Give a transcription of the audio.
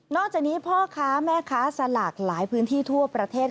จากนี้พ่อค้าแม่ค้าสลากหลายพื้นที่ทั่วประเทศ